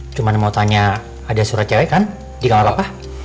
cuma mau tanya ada suara cewek kan di kamar papa